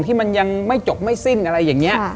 ที่มันยังไม่จบไม่สิ้นอะไรอย่างนี้